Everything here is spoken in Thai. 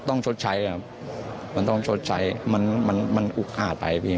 ต้องชดใช้ครับมันต้องชดใช้มันอุ๊กอาดไปครับพี่